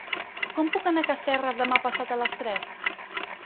Com puc anar a Casserres demà passat a les tres?